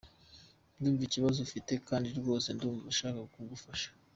Ndumva ikibazo ufite kandi rwose ndumva nshaka kugufasha.